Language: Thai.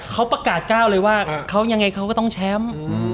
เขาประกาศก้าวเลยว่าเขายังไงเขาก็ต้องแชมป์